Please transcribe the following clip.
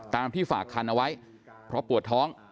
ที่ฝากคันเอาไว้เพราะปวดท้อง